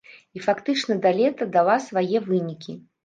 І фактычна да лета дала свае вынікі.